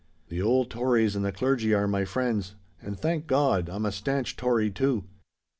The old Tories and the Clergy are my friends; and, thank God! I'm a stanch Tory, too.